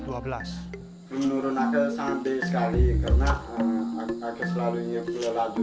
menurut saya sangat baik sekali karena saya selalu punya laju